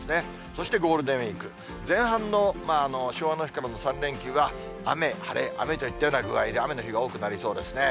そしてゴールデンウィーク、前半の昭和の日からの３連休は、雨、晴れ、雨といったような具合で、雨の日が多くなりそうですね。